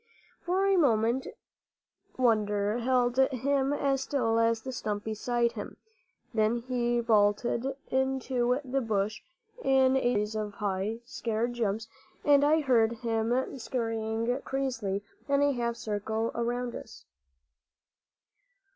For a moment wonder held him as still as the stump beside him; then he bolted into the bush in a series of high, scared jumps, and I heard him scurrying crazily in a half circle around us.